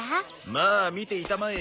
まあ見ていたまえ。